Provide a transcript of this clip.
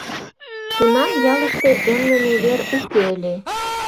Тунам ялыште эмлыме вер уке ыле.